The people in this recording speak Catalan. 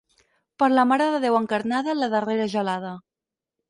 Per la Mare de Déu Encarnada, la darrera gelada.